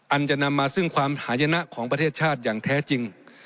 อันจะนำมาซึ่งความหายนะของประเทศชาติอย่างแท้จริง